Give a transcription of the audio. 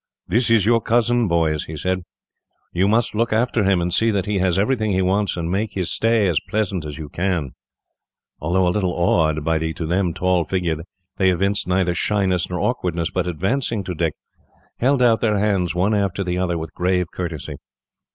"This is your cousin, boys," he said. "You must look after him, and see that he has everything he wants, and make his stay as pleasant as you can." Although a little awed by the, to them, tall figure, they evinced neither shyness or awkwardness, but, advancing to Dick, held out their hands one after the other, with grave courtesy.